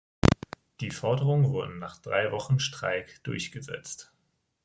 Die Forderungen wurden nach drei Wochen Streik durchgesetzt.